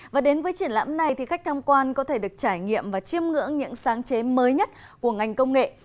và đến với triển lãm này thì khách tham quan có thể được trải nghiệm và chiêm ngưỡng những sáng chế mới nhất của ngành công nghệ